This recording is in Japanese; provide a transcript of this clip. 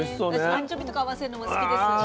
私アンチョビとか合わせるのも好きです。